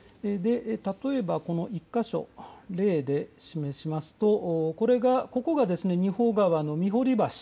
例えばこの１か所、例で示しますとここが仁保川の御堀橋。